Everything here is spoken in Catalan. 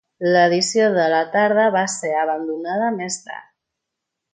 L'edició de la tarda va ser abandonada més tard.